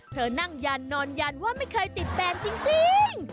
เธอนั่งยันนอนยันว่าไม่เคยติดแฟนจริง